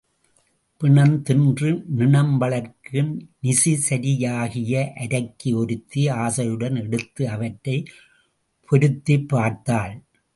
பிணம் தின்று நிணம் வளர்க்கும் நிசிசரியாகிய அரக்கி ஒருத்தி ஆசையுடன் எடுத்து அவற்றைப் பொருத்திப் பார்த்தாள்.